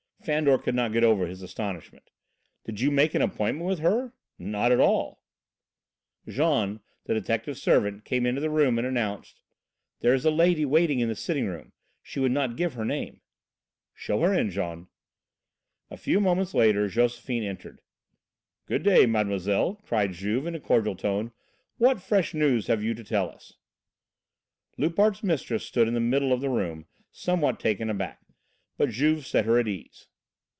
Fandor could not get over his astonishment. "Did you make an appointment with her?" "Not at all." Jean, the detective's servant, came into the room and announced: "There is a lady waiting in the sitting room. She would not give her name." "Show her in, Jean." A few moments later Josephine entered. "Good day, Mademoiselle," cried Juve in a cordial tone. "What fresh news have you to tell us?" Loupart's mistress stood in the middle of the room, somewhat taken aback. But Juve set her at ease.